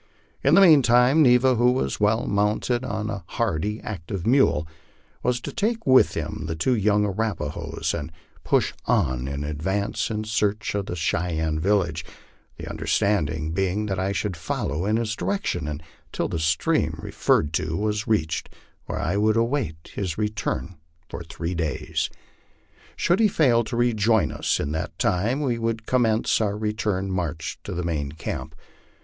In the meanwhile Neva, who was well mounted on a hardy, active mule, was to take with him the two young Arapahoes, and push on in advance in search of the Cheyenne village, the understanding being that I should follow in his direction until the stream referred to was reached, where I would await his return for tbree days. Should he fail to rejoin us in that time, we would commence our return march to the main camp.